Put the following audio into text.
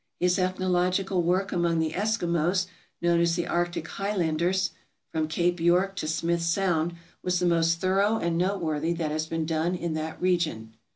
... His ethnological work among the Eskimos known as the Arctic Highlanders (from Cape York to Smith Sound) was the most thorough and noteworthy that has been done in that region."